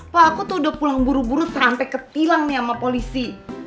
pak aku tuh udah pulang buru buru sampe ketilang nih sama polisi